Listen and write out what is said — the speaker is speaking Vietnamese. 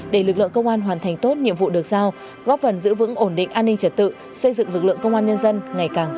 để lực lượng công an hoàn thành tốt nhiệm vụ được giao góp phần giữ vững ổn định an ninh trật tự xây dựng lực lượng công an nhân dân ngày càng trong sạch vững mạnh